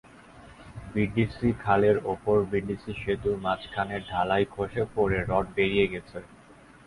BDC খালের ওপর BDC সেতুর মাঝখানের ঢালাই খসে পড়ে রড বেরিয়ে গেছে।